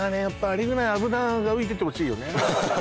やっぱあれぐらい脂が浮いててほしいよね